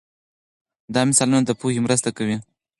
دا مثالونه د پوهې مرسته کوي.